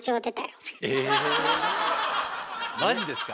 マジですか？